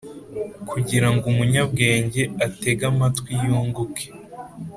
Kugira ngo umunyabwenge atege amatwi yunguke